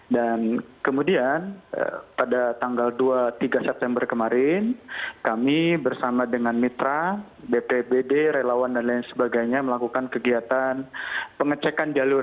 dan kemudian pada tanggal dua tiga september kemarin kami bersama dengan mitra bpbd relawan dan lain sebagainya melakukan kegiatan pengecekan jalur